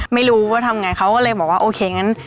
ไม่รู้ว่าทำไงเขาก็เลยบอกว่าโอเคงั้น